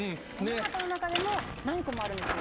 山形の中でも何個もあるんですよ